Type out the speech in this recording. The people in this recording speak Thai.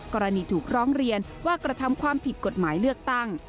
กรณีถูกร้องเรียนว่ากระทำความผิดกฎหมายเลือกตั้ง